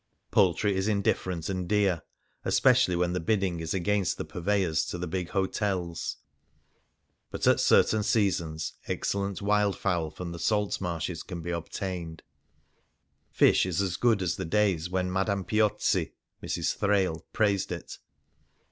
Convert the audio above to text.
Poultry is indifferent and dear, especially when the bidding is against the purveyors to the big hotels ; but at certain seasons excellent wild fowl from the salt marshes can be obtained, 144 Varia Fish is as good as in the days when Madame Piozzi (Mrs. Thrale) praised it.